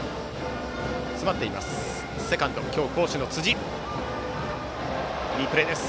セカンド、今日好守の辻いいプレーです。